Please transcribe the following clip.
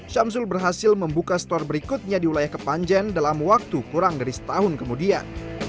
syamsul berhasil membuka store berikutnya di wilayah kepanjen dalam waktu kurang dari setahun kemudian